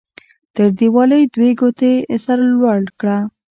تر دیوالۍ دوې ګوتې سر لوړ کړه.